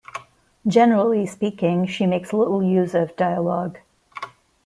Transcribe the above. Generally speaking, she makes little use of dialogue.